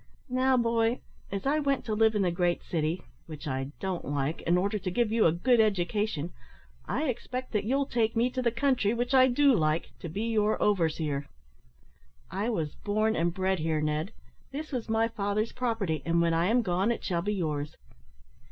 Now, boy, as I went to live in the Great City which I don't like in order to give you a good education, I expect that you'll take me to the country which I do like to be your overseer. I was born and bred here, Ned; this was my father's property, and, when I am gone, it shall be yours.